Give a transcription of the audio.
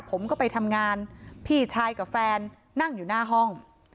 ผมก็ไปทำงานพี่ชายกับแฟนนั่งอยู่หน้าห้อง